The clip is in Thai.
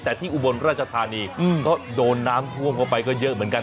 แต่ที่อุบลราชธานีก็โดนน้ำท่วมเข้าไปก็เยอะเหมือนกัน